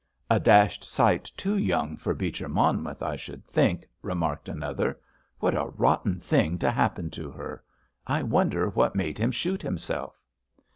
"A dashed sight too young for Beecher Monmouth, I should think," remarked another. "What a rotten thing to happen to her. I wonder what made him shoot himself."